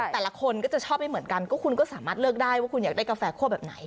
แต่ละคนก็จะชอบไม่เหมือนกันก็คุณก็สามารถเลือกได้ว่าคุณอยากได้กาแฟคั่วแบบไหน